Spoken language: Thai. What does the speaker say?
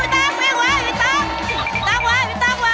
มีต้องไหว